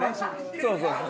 そうそうそう。